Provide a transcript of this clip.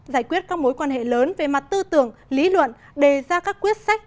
giải quyết các mối quan hệ lớn về mặt tư tưởng lý luận đề ra các quyết sách